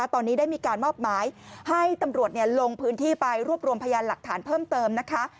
ตอนนี้ได้มีการมอบหมายให้ตำรวจลงพื้นที่ไปรวบรวมพยานหลักฐานเพิ่มเติมนะคะ